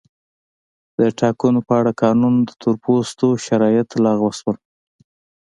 د ټاکنو په اړه قانون د تور پوستو شرایط لغوه شول.